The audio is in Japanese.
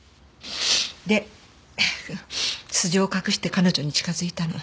で素性を隠して彼女に近づいたの。